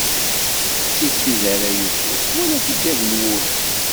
Ttif tiderray ufus, wala tigad n wul.